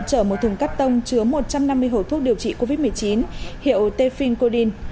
chở một thùng cắt tông chứa một trăm năm mươi hồ thuốc điều trị covid một mươi chín hiệu tepfin coldin